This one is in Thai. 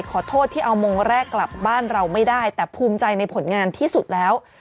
ขอโทษที่เอามงแรกกลับบ้านเราไม่ได้แต่ภูมิใจในผลงานที่สุดแล้ว